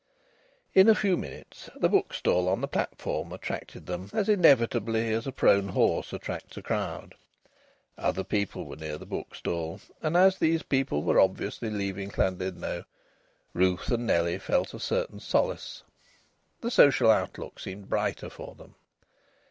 In a few minutes the bookstall on the platform attracted them as inevitably as a prone horse attracts a crowd. Other people were near the bookstall, and as these people were obviously leaving Llandudno, Ruth and Nellie felt a certain solace. The social outlook seemed brighter for them.